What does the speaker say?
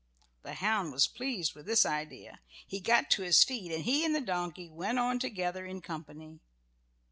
The hound was pleased with this idea. He got to his feet, and he and the donkey went on together in company.